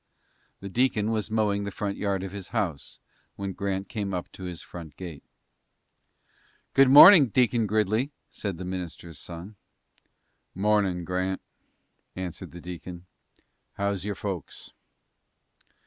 The deacon was mowing the front yard of his house when Grant came up to his front gate. "Good morning, Deacon Gridley," said the minister's son. "Mornin', Grant," answered the deacon. "How's your folks?"